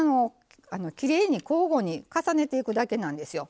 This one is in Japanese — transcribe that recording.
きれいに交互に重ねていくだけなんですよ。